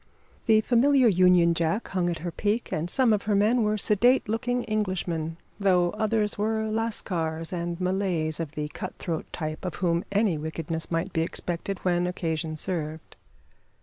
The familiar Union Jack hung at her peak, and some of her men were sedate looking Englishmen, though others were Lascars and Malays, of the cut throat type, of whom any wickedness might be expected when occasion served.